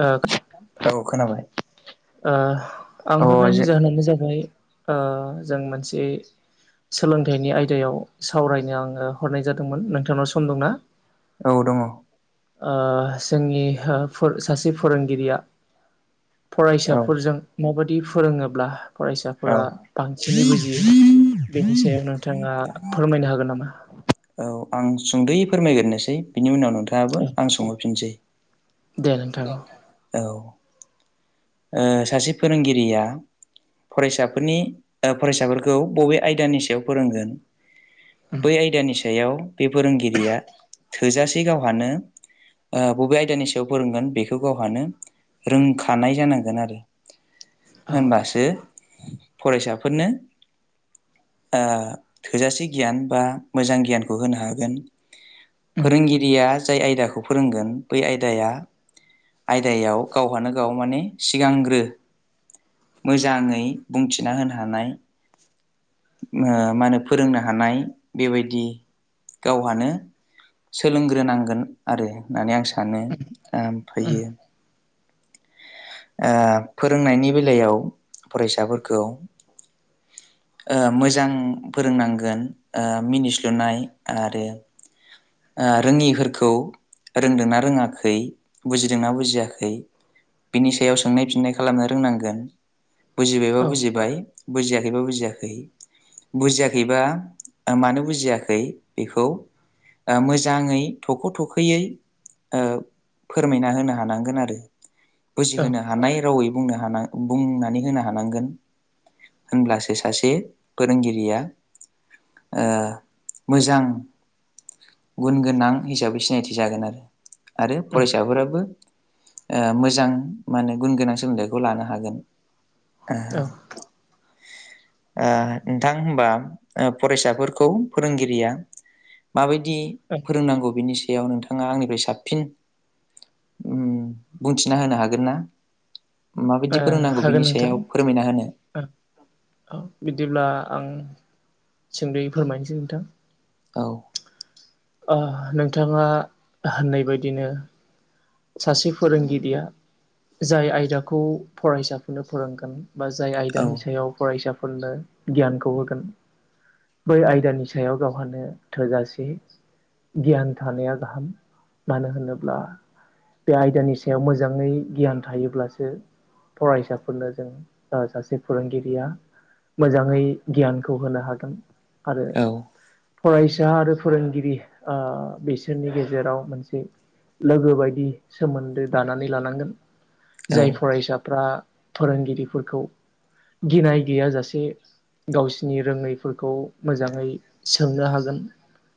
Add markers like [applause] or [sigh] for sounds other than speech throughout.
ओ औ खोनााबाय। ओ आं हरनायनि जाहोनानो जाबाय ओ जों मोनसे सोलोंथाइनि आयदायाव सावरायनो आङो हरनाय जादोंमोन नोंथांनाव सम दंना? औ दङ औ ओ जोंनि ओ फोर सासे फोरोंगिरिया फरायसाफोरजों माबायदि फोरोङोब्ला। औ फरायसाफोरा बांसिनै बुजियो बेनि सायाव नोंथाङा फोरमायनो हागोन नामा? औ आं सुंदै फोरमायग्रोसै बिनि उनाव नोंथाङाबो औ आं सोंहरफिनसै। दे नोंथां औ [unintelligible] औ ओ सासे फोरोंगिरिया। फरायसाफोरनि फरायसाफोरखौ बबे आयदानि सायाव फोरोंगोन। बै आयदानि सायाव बे फोरोंगिरिया थोजासे गावहानो। बबे आयदानि सायाव फोरोंगोन बेखौ गावहानो रोंखानाय जानांगोन। औ होनबासो फरायसाफोरनो थोजासे गियान बा मोजां गियानखौ होनो हागोन। उम फोरोंगिरिया जाय आयदाखौ फोरोंगोन बै आयदाया आयदायाव गावहानो गाव माने सिगांग्रो मोजाङै बुंथिना होनो हानाय ओ मा होनो फोरोंनो हानाय बेबायदि गावहानो सोलोंग्रोनांगोन आरो होननानै आं सानो ओम उम फायो। ओ फोरोंनायनि बेलायाव फरायसाफोरखौ मोजां फोरोंनांगोन मिनिस्लुनाय आरो ओ रोङिफोरखौ रोंदोंना रोङाखै बुजिदोंना बुजियाखै बिनि सायाव सोंनाय फिननाय खालामनो रोंनांगोन बुजिबायबा औ बुजिबाय बुजियाखैबा बुजियाखै। बुजियाखैबा मानो बुजियाखै बेखौ ओ मोजाङै थख' थखैयै ओ फोरमायना होनो हानांगोन आरो। होनो हानाय रावै बुंनो हानाय बुंनानै होनो हानांगोन। होनब्लासो सासे फोरोंगिरिया ओ मोजां गुन गोनां हिसाबै सिनायथि जागोन आरो आरो उम औ फरायसाफोराबो ओ मोजां मा होने गुन गोनां सोलोंथाइखौ लानो हागोन। औ नोंथां होनबा फरायसाफोरखौ फोरोंगिरिया माबायदि दि फोरोंनांगौ बिनि बेयाव नोंथाङा आंनिफ्राय साबसिन ओम बुंथिना होनो हागोन ना? ओ माबायदि फोरोंनांगौ हागोन बिनि नोंथां सायाव फोरमायना होनो। औ बिदिब्ला आं सोमोन्दै फोरमायनोसै नोंथां। औ। ओ नोंथाङा होननाय बायदिनो सासे फोरोंगिरिया जाय आयदाखौ फरायसाफोरनो फोरोंगोन बा जाय औ आयदानि सायाव फरायसाफोरनो गियानखौ होगोन। बै आयदानि सायाव गावहानो थोजासे गियान थानाया गाहाम मानो होनोब्ला बे आयदानि सायाव मोजाङै गियान थायोब्लासो फरायसाफोरनो जों सासे फोरोंगिरिया मोजाङै गियानखौ होनो हागोन आरो औ फरायसा आरो फोरोंगिरि ओ बिसोरनि गेजेराव मोनसे लोगो बायदि सोमोन्दो दानानै लानांगोन औ जाय फरायसाफ्रा फोरोंगिरिफोरखौ गिनाय गैयाजासे गावसिनि रोङैफोरखौ मोजाङै सोंनो हागोन।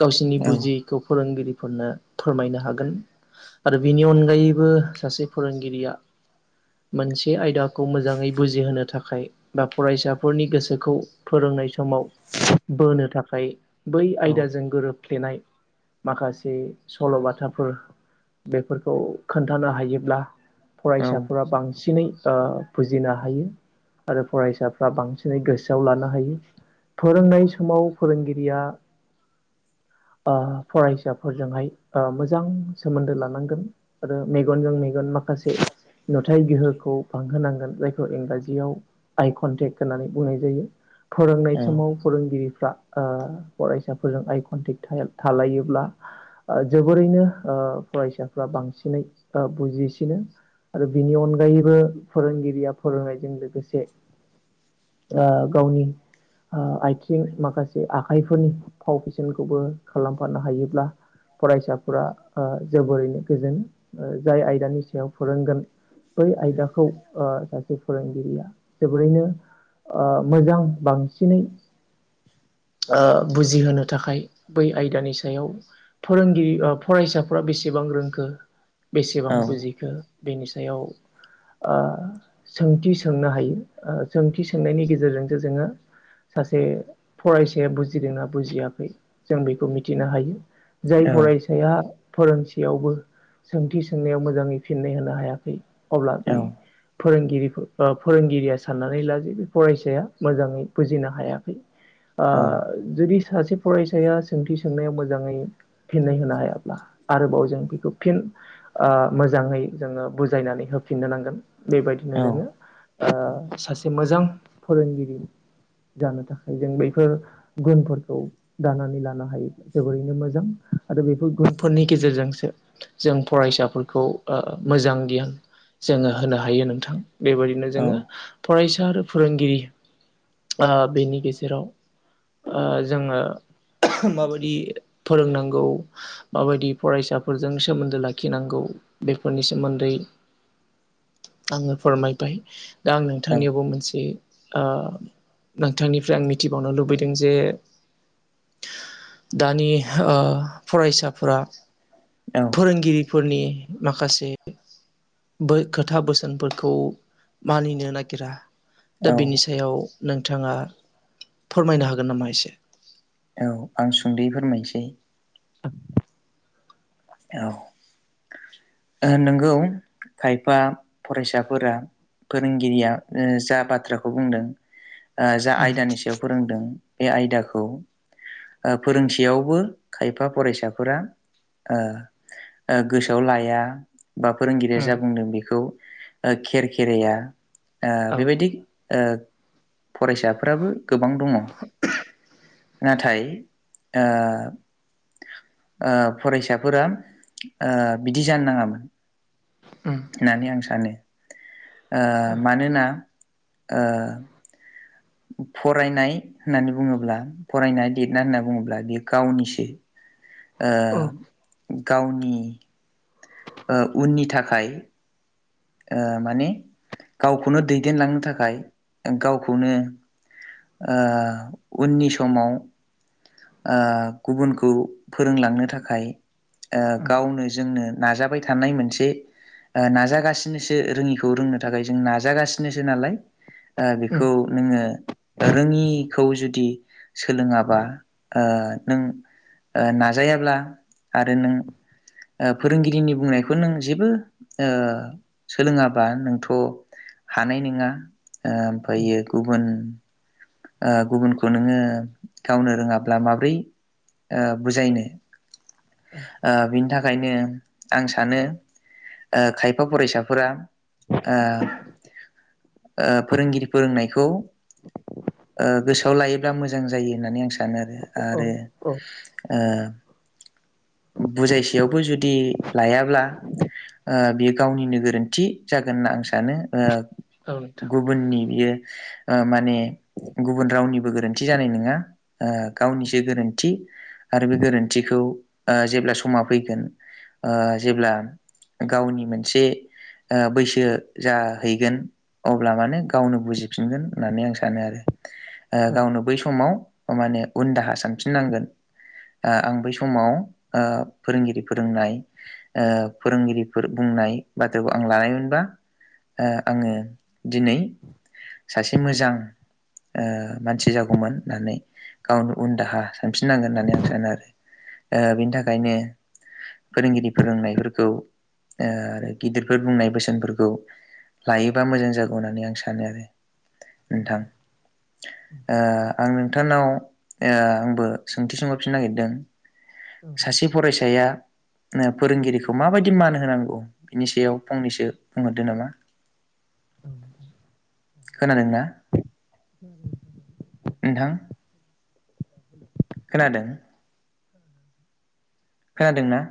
गावसोरनि बुजिखौ फोरोंगिरिफोरनो फोरमायनो हागोन। आरो बिनि अनगायैबो सासे फोरोंगिरिया मोनसे आयदाखौ मोजाङै बुजिहोनो थाखाय बा फरायसाफोरनि गोसोखौ फोरोंनाय समाव बोनो थाखाय बै औ आयदाजों गोरोबफ्लेनाय माखासे सल'बाथाफोर बेफोरखौ खोन्थानो हायोब्ला औ फरायसाफोरा बांसिनै ओ बुजिनो हायो आरो फरायसाफ्रा बांसिनै गोसोआव लानो हायो। फोरोंनाय समाव फोरोंगिरिया ओ फरायसाफोरजोंहाय ओ मोजां सोमोन्दो ला गोन आरो मेगनजों मेगन माखासे नुथाय गोहोखौ बांहोनांगोन जायखौ इंराजियाव आइ कनटेक्ट होननानै बुंनाय जायो। फोरोंनाय औ समाव फोरोंगिरि फोरा फरायसाफोरजों आइ कनटेक्ट थालायोब्ला जोबोरैनो ओ फरायसाफ्रा बांसिनै ओ बुजिसिनो आरो बिनि अनगायैबो फोरोंगिरिया फोरोंनायजों लोगोसे। ओ गावनि ओ आयथिं माखासे आखाइफोरनि फाव फेसेनखौबो खालामफानो हायोब्ला। फरायसाफोरा ओ जोबोरैनो गोजोनो जाय आयदानि सायाव फोरोंगोन। बै आयदाखौ ओ सासे फोरोंगिरिया जोबोरैनो ओ मोजां बांसिनै ओ बुजिहोनो थाखाय बै आयदानि सायाव फोरोंगिरि ओ फरायसाफ्रा बेसेबां रोंखो बेसेबां बुजिखो। बेनि सायाव। ओ सोंथि सोंनो हायो ओ सोंथि सोंनायनि गेजेरजोंसो जोङो सासे फरायसाया बुजिदोंना बुजियाखै जों बेखौ मिथिनो हायो। जाय औ फरायसाया फोरोंसेयावबो सोंथि सोंनायाव मोजाङै फिननाय होनो हायाखै अब्ला बे फोरोंगिरिफोर ओ फोरोंगिरिया साननानै ला जे बे फरायसाया मोजाङै बुजिनो हायाखै। आ जुदि सासे फरायसाया सोंथि सोंनायाव मोजाङै फिन्नाय होनो हायाब्ला आरोबाव जों बेखौ फिन ओ मोजाङै जोङो बुजायनानै होफिननो नांगोन बेबायदिनो जोङो ओ सासे मोजां फोरोंगिरि जानो थाखाय जों बेफोर गुनफोरखौ दानानै लानो हायो जोबोरैनो मोजां आरो बेफोर गुनफोरनि गेजेरजोंसो जों फरायसाफोरखौ ओ मोजां गियान जोङो होनो हायो नोंथां बेबायदिनो जोङो फरायसा आरो फोरोंगिरि ओ बेनि गेजेराव ओ जोङो माबायदि फोरोंनांगौ माबायदि फरायसाफोरजों सोमोन्दो लाखिनांगौ बेफोरनि सोमोन्दै आङो फोरमायबाय दा आं नोंथांनियावबो मोनसे ओ नोंथांनिफ्राय आं मिथिबावनो लुबैदों जे दानि ओ फरायसाफोरा औ फोरोंगिरि फोरनि माखासे बो खोथा बोसोनफोरखौ मानिनो नागिरा दा औ बिनि सायाव नोंथाङा फोरमायनो हागोन नामा एसे औ आं सुंदयै फोरमायसै औ नोंगौ खायफा फरायसाफोरा फोरोंगिरिया ओ जा बाथ्राखौ बुंदों ओ जा उम आयदानि सायाव फोरोंदों बे आयदाखौ ओ फोरोंसेयावबो खायफा फरायसाफोरा ओ ओ गोसोआव लाया बा फोरोंगिरिया उम जा बुंदों बेखौ ओ खेर खेराया ओ औ बेबायदि ओ फरायसाफोराबो गोबां दङ नाथाय ओ ओ फरायसाफोरा ओ बिदि जानो नाङामोन उम होननानै आं सानो ओ औ मानोना ओ फरायनाय होननानै बुङोब्ला फरायनाय लिरनाय होननानै बुङोब्ला बियो गावनिसो ओ औ गावनि ओ उननि थाखाय ओ माने गावखौनो दैदेनलांनो थाखाय गावखौनो ओ उननि समाव ओ गुबुनखौ फोरोंलांनो थाखाय ओ गावनो जोंनो नाजाबाय थानाय मोनसे ओ नाजागासिनोसो रोङिखौ रोंनो थाखाय जों नाजागासिनोसो नालाय ओ उम बेखौ नोङो रोङिखौ जुदि सोलोङाबा ओ नों ओ नाजायाब्ला आरो नों ओ फोरोंगिरिनि बुंनायखौ नों जेबो ओ सोलोङाबा नोंथ' हानाय नोङा उम ओमफायो गुबुन ओ गुबुनखौ नोङो गावनो रोङाब्ला माब्रै ओ बुजायनो औ ओ बिनि थाखायनो आं सानो ओ खायफा फरायसाफोरा ओ ओ फोरोंगिरि फोरोंनायखौ ओ गोसोआव लायोब्ला मोजां जायो होननानै आं सानो औ आरो औ ओ बुजायसेयावबो जुदि लायाब्ला ओ बियो गावनिनो गोरोन्थि जागोन होनना आं सानो ओ औ नोंथां गुबुननि बियो ओ माने गुबुन रावनिबो गोरोन्थि जानाय नोङा ओ गावनिसो गोरोन्थि आरो बे गोरोन्थिखौ ओ ओ जेब्ला समा फैगोन ओ जेब्ला गावनि मोनसे ओ बैसो जाहैगोन अब्ला माने गावनो बुजिफिनगोन होननानै आं सानो आरो ओ औ गावनो बै समाव माने उन दाहा सानफिननांगोन ओ आं बै समाव ओ फोरोंगिरि फोरोंनाय ओ फोरोंगिरिफोर बुं नाय बाथ्राखौ आं लानायमोनबा ओ आङो दिनै सासे मोजां ओ मानसि जागौमोन होननानै गावनो उन दाहा सानफिननांगोन होननानै आं सानो आरो ओ बेनि थाखायनो फोरोंगिरि फोरोंनायफोरखौ ओ आरो गिदिरफोर बुंनाय बोसोनफोरखौ लायोबा मोजां जागौ होननानै आं सानो आरो नोंथां ओ आं नोंथांनाव ओ ओ आंबो सोंथि सोंहरफिननो नागिरदों सासे फरायसाया फोरोंगिरिखौ माबायदि मान होनांगौ बिनि सायाव फंनैसो बुंहरदो नामा [inaudible] खोनादोंना? ज [inaudible] नोंथां खोनादों? खोनादों ना?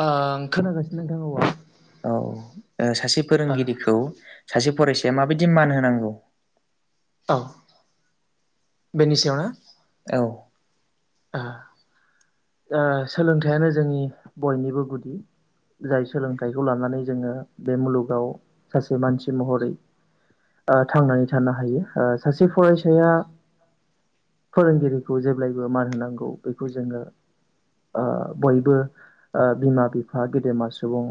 ओं खोनागासिनो नोंथां [unintelligible] औ ओ सासे औ फोरोंगिरिखौ सासे फरायसा या माबायदि मान होनांगौ अ बेनि सायाव ना औ। ओ ओ सोलोंथाइयानो जोंनि बयनिबो गुदि। जाय सोलोंथाइखौ लानानै जोङो बे मुलुगाव सासे मानसि महरै ओ थांनानै थानो हायो ओ सासे फरायसाया फोरोंगिरिखौ जेब्लायबो मान होनांगौ बेखौ जोङो ओ बयबो ओ बिमा बिफा गेदेमा सुबुं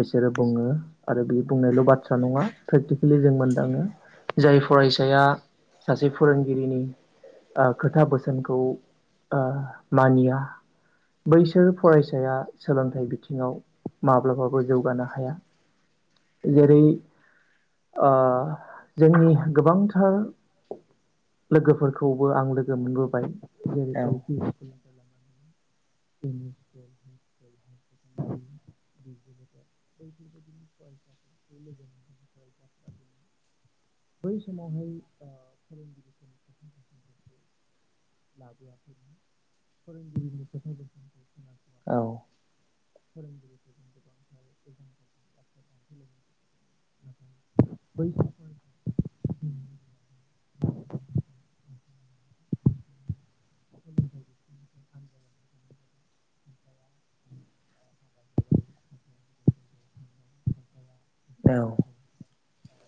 बिसोरो बुङो आरो बे बुंनायल' बाथ्रा नङा प्रेक्टिकेलि जों मोनदाङो जाय फरायसाया सासे फोरोंगिरिनि ओ खोथा बोसोनखौ ओ मानिया बैसोर फरायसाया सोलोंथाइ बिथिङाव माब्लाबाबो जौगानो हाया जेरै अ जोंनि गोबांथार लोगोफोरखौबो आं लोगो मोनबोबाय जेरै औ एल पि स्कुल [inaudible] [inaudible] बैफोरबादिनि फरायसाफोरखौ [inaudible] [inaudible] बै समावहाय फोरोंगिरिफोरनि [inaudible] [inaudible] [inaudible] लाबोवाखैमोन फोरोंगिरिनि [inaudible] [inaudible] [inaudible] औ। फोरोंगिरिफोरखौ गोबां [inaudible] [inaudible] [inaudible] [inaudible] [inaudible] [inaudible] [inaudible] गोनां जादों। खायफाया ओ हाबा जाबाय खायफाया गुबुन जायगायाव थांबाय खायफाया सासेया औ। मोनसे ओ खामला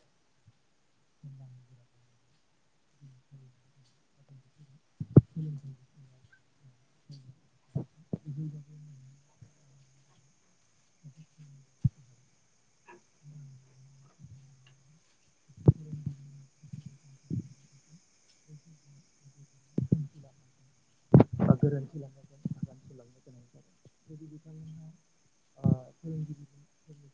[inaudible] [inaudible] [inaudible] [inaudible] [inaudible] गोरोन्थि लामाजों आगान सुरलांनो गोनां जादोंमोन। [unintelligible] बिथांमोनहा ओ फोरोंगिरिफोर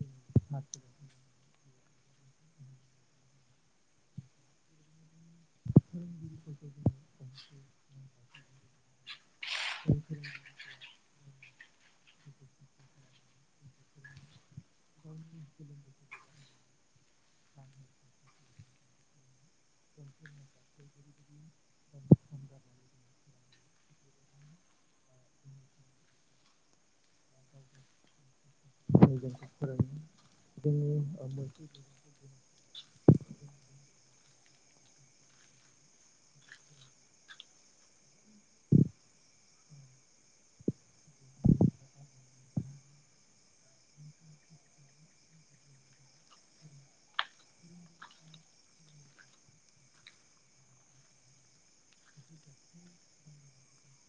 फोरोंगिरिफोरखौ फोरोंगिरिफोरखौ जोङो गंसे नेमखान्थिजों रुजुनो हायो जाय [inaudible] फोरोंगिरिफोरा गावनि जिउखौ खस्थ' खालामनानै [inaudible] जोंखौ फोरोङो गावनि गोलोम बोथोर [inaudible] [inaudible] जेरैबायदि गावनि सम गारनानै जोंनो फोरोङो थिग बेबायदिनो [inaudible] [inaudible] [inaudible] जों [inaudible] [inaudible]